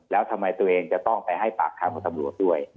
แล้วทำไมตัวเองจะต้องไปให้ปากคำกับตำรวจด้วย